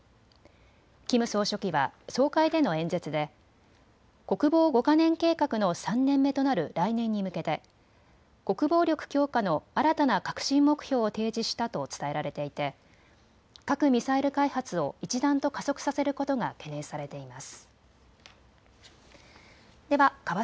キム総書記は総会での演説で国防５か年計画の３年目となる来年に向けて国防力強化の新たな核心目標を提示したと伝えられていて核・ミサイル開発を一段と加速させることが懸念されています。